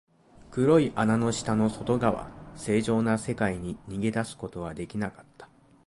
黒い穴の下の外側、正常な世界に逃げ出すことはできなかった。